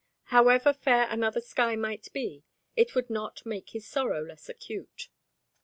However fair another sky might be, it would not make his sorrow less acute.